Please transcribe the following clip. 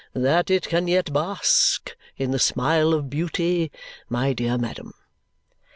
That it can yet bask in the smile of beauty, my dear madam."